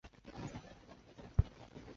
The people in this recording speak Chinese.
父亲是伊达持宗。